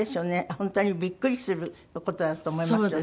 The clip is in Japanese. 本当にビックリする事だと思いますよね。